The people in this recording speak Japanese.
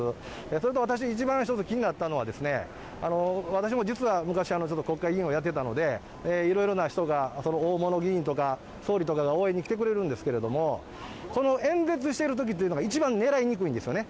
それと私、一番気になったのは、私も実は昔、ちょっと国会議員をやっていたので、いろいろな人が大物議員とか、総理とかが応援に来てくれるんですけれども、この演説しているときというのが、一番狙いにくいんですよね。